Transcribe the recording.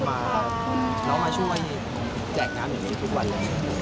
ครับเรามาน้องมาช่วยแจกน้ำอยู่นี่ทุกวันไหม